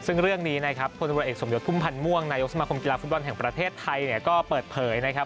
ซึ่งเรื่องนี้นะครับพลตำรวจเอกสมยศพุ่มพันธ์ม่วงนายกสมาคมกีฬาฟุตบอลแห่งประเทศไทยเนี่ยก็เปิดเผยนะครับ